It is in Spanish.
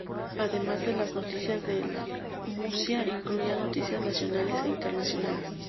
Además de las noticias de Murcia, incluía noticias nacionales e internacionales.